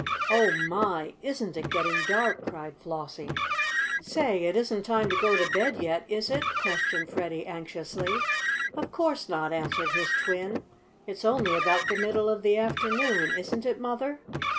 "Oh, my! isn't it getting dark?" cried Flossie. "Say, it isn't time to go to bed yet, is it?" questioned Freddie anxiously. "Of course not!" answered his twin. "It's only about the middle of the afternoon, isn't it, Mother?"